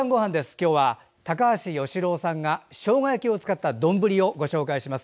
今日は高橋善郎さんがしょうが焼きをつかった丼をご紹介します。